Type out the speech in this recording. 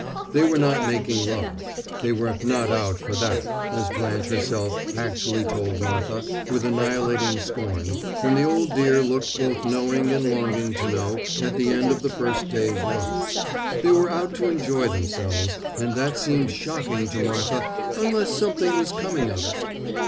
They were not making love. They were "not out for that," as Blanche herself actually told Martha, with annihilating scorn, when the old dear looked both knowing and longing to know at the end of the first day's run. They were out to enjoy themselves, and that seemed shocking to Martha "unless something was coming of it."